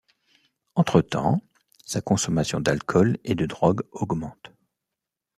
Entre-temps, sa consommation d'alcool et de drogue augmente.